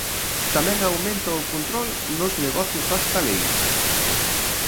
Tamén aumenta o control nos negocios hostaleiros.